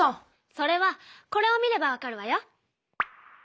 それはこれを見ればわかるわよ。